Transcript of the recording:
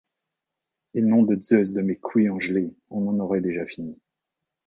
et nom de Zeus de mes couilles en gelée on en aurait déjà fini.